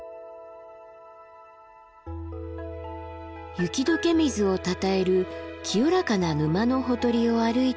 雪解け水をたたえる清らかな沼のほとりを歩いていくと。